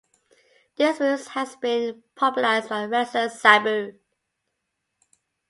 This move has been popularized by wrestler Sabu.